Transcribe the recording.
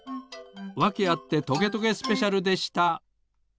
「わけあってトゲトゲスペシャル」でした。